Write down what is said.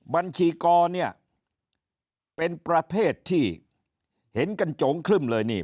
บัญชีกรเนี่ยเป็นประเภทที่เห็นกันโจงครึ่มเลยนี่